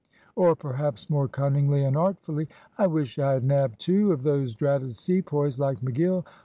Or perhaps more cunningly and artfully, "I wish I had nabbed two of those dratted Sepoys like McGill.